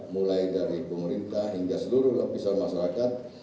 mulai dari pemerintah hingga seluruh lapisan masyarakat